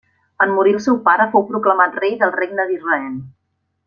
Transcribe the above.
En morir el seu pare fou proclamat rei del Regne d'Israel.